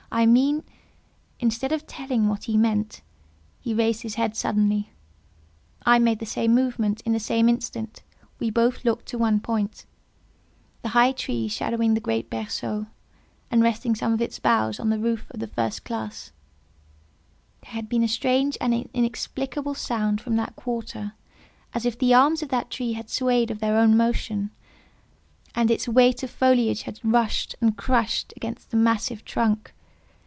I mean—" Instead of telling what he meant, he raised his head suddenly; I made the same movement in the same instant; we both looked to one point—the high tree shadowing the great berceau, and resting some of its boughs on the roof of the first classe. There had been a strange and inexplicable sound from that quarter, as if the arms of that tree had swayed of their own motion, and its weight of foliage had rushed and crushed against the massive trunk.